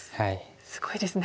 すごいですね。